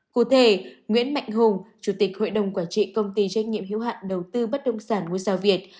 cụ thể nguyễn mạnh hùng chủ tịch hội đồng quản trị công ty trách nhiệm hữu hạn đầu tư bất đông sản nguyễn sao việt